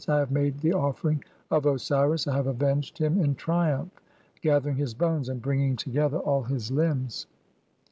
I have made the offering of Osiris, I have avenged (?) "him in triumph, gathering his bones and bringing together "all his limbs."